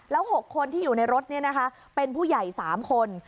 แล้ว๖คนที่อยู่ในรถเป็นผู้ใหญ่๓คน